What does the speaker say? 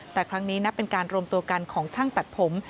แต่ครั้งนี้นับเป็นการรวมตัวกันของช่างตัดผม